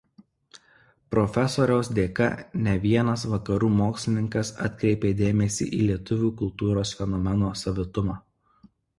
Profesoriaus dėka ne vienas Vakarų mokslininkas atkreipė dėmesį į lietuvių kultūros fenomeno savitumą.